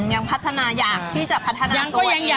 ยังพัฒนาอยากที่จะพัฒนาตัวเอง